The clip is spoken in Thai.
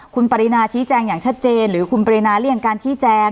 คุณปรินาชี้แจงอย่างชัดเจนหรือคุณปรินาเลี่ยงการชี้แจง